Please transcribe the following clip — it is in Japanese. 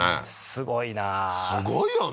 すごいなあすごいよね